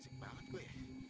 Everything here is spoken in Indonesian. sik banget gue ya